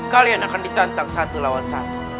kalian akan ditantang satu lawan satu